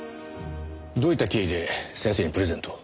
どういった経緯で先生にプレゼントを？